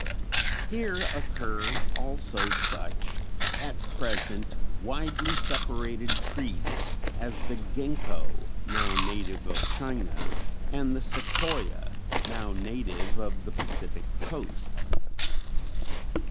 Here occur also such, at present, widely separated trees as the gingko now native of China, and the Sequoia now native of the Pacific Coast.